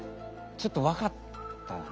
ちょっとわかったな。